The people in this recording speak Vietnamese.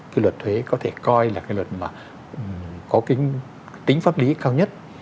cái luật thuế có thể coi là cái luật mà có tính pháp lý cao nhất